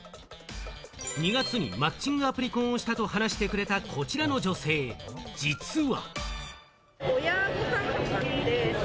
２月にマッチングアプリ婚をしたと話してくれるこちらの女性、実は。